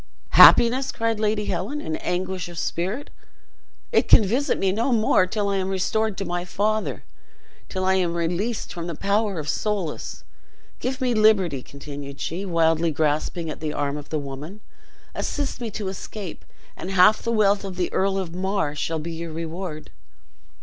"Happiness!" cried Lady Helen, in anguish of spirit; "it can visit me no more till I am restored to my father, till I am released from the power of Soulis. Give me liberty," continued she, wildly grasping the arm of the woman. "Assist me to escape, and half the wealth of the Earl of Mar shall be your reward."